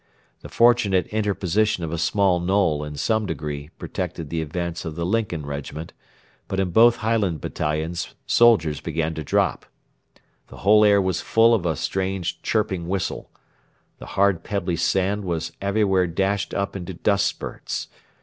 The fortunate interposition of a small knoll in some degree protected the advance of the Lincoln Regiment, but in both Highland battalions soldiers began to drop. The whole air was full of a strange chirping whistle. The hard pebbly sand was everywhere dashed up into dust spurts.